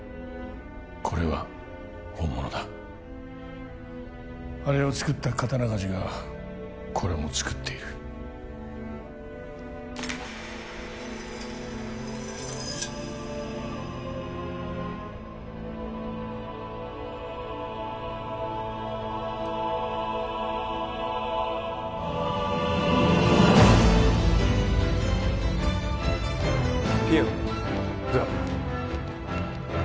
これは本物だあれを作った刀鍛冶がこれも作っているあっ